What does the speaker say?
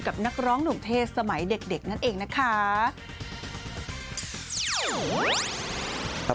นักร้องหนุ่มเทศสมัยเด็กนั่นเองนะคะ